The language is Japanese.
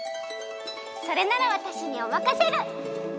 それならわたしにおまかシェル！